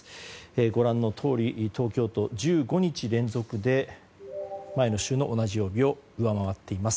ご覧のとおり東京都１５日連続で前の週の同じ曜日を上回っています。